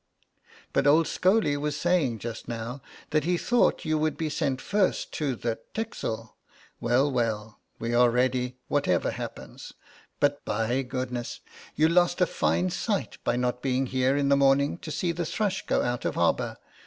But old Scholey was saying just now that he thought you would be sent first to the 'Texel.' Well, well, we are ready whatever happens. But by you lost a fine sight by not being here in the morning to see the 'Thrush' go out of harbour.